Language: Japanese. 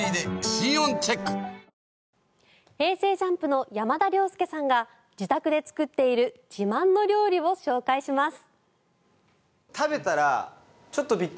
ＪＵＭＰの山田涼介さんが自宅で作っている自慢の料理を紹介します。